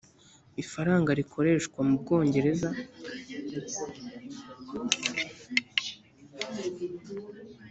ifaranga rikoreshwa mu bwongereza